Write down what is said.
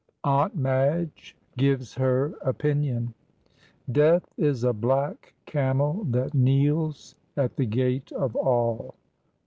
AUNT MADGE GIVES HER OPINION. "Death is a black camel that kneels at the gate of all."